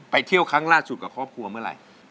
เที่ยวครั้งล่าสุดกับครอบครัวเมื่อไหร่